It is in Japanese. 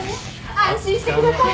安心してください。